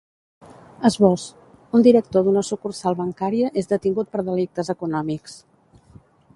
Esbós: Un director d’una sucursal bancària és detingut per delictes econòmics.